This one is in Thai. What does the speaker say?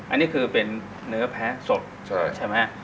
อันนี้คือเป็นเนื้อแพ้สดใช่ไหม